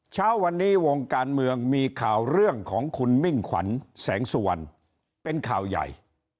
เช้าวันนี้วงการเมืองมีข่าวเรื่องของคุณมิ่งขวัญแสงสุวรรณเป็นข่าวใหญ่